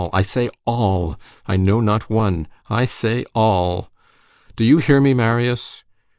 I say all! I know not one! I say all! Do you hear me, Marius!